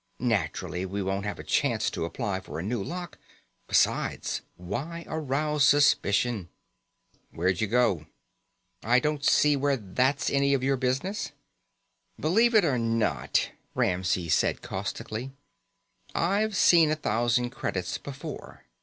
Naturally, we won't have a chance to apply for a new lock. Besides, why arouse suspicion?" "Where'd you go?" "I don't see where that's any of your business." "Believe it or not," Ramsey said caustically, "I've seen a thousand credits before.